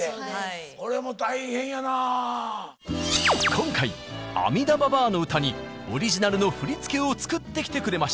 今回「アミダばばあの唄」にオリジナルの振り付けを作ってきてくれました。